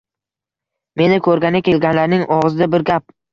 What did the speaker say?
Meni ko`rgani kelganlarning og`zida bir gap